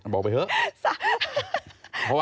บอกไปเถอะ